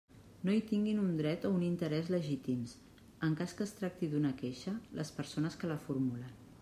No hi tinguin un dret o un interès legítims, en cas que es tracti d'una queixa, les persones que la formulen.